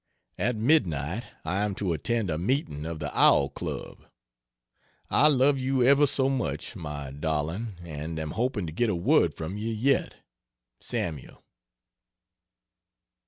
At midnight I am to attend a meeting of the Owl Club. I love you ever so much, my darling, and am hoping to get a word from you yet. SAML.